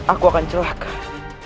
aku akan celahkan